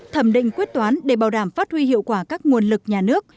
thẩm định quyết toán để bảo đảm phát huy hiệu quả các nguồn lực nhà nước